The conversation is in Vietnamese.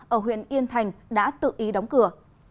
ở huyện yên thành đã tự ý đóng cửa